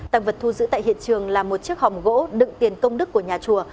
tăng vật thu giữ tại hiện trường là một chiếc hòm gỗ đựng tiền công đức của nhà chùa